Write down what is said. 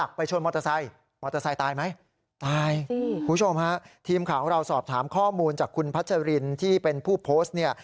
คุณผู้ชมฮะทีมข่าวของเราสอบถามข้อมูลจากคุณพัชรินที่เป็นผู้โพสต์เนี่ย